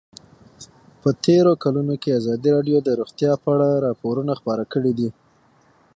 په تېرو کلونو کې ازادي راډیو د روغتیا په اړه راپورونه خپاره کړي دي.